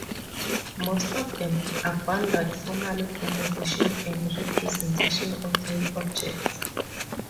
Most of them abandoned formal composition and representation of real objects.